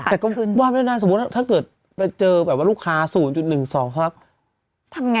แต่ก็ว่าไม่ได้นะสมมุติถ้าเกิดไปเจอแบบว่าลูกค้า๐๑๒ทั้ง๕๐๐๐ก็ได้๕๐๐๐บาทนะ